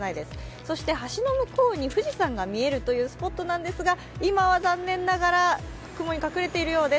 そして橋の向こうに富士山が見えるというスポットなんですが、今は、残念ながら雲に隠れているようです。